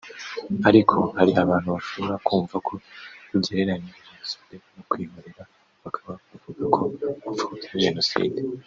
Ariko hari abantu bashobora kumva ko ugereranya Jenoside no kwihorera bakaba bavuga ko upfobya Jenoside